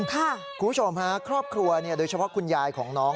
คุณผู้ชมฮะครอบครัวโดยเฉพาะคุณยายของน้อง